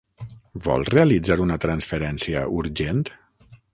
Vol realitzar una transferència urgent?